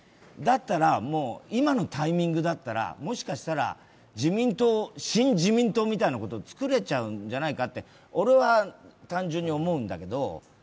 今のタイミングだったらもしかしたら新自民党みたいなことを作れちゃうんじゃないかと俺は単純に思うんだけど。